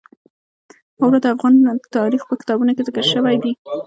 واوره د افغان تاریخ په کتابونو کې ذکر شوی دي.